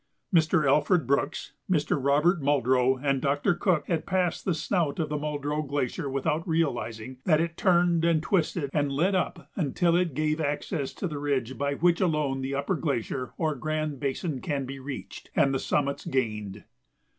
Mr. Alfred Brooks, Mr. Robert Muldrow, and Doctor Cook had passed the snout of the Muldrow Glacier without realizing that it turned and twisted and led up until it gave access to the ridge by which alone the upper glacier or Grand Basin can be reached and the summits gained.